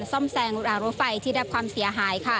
ซ่อมแซงหลวงอาหารรถไฟที่รับความเสียหาย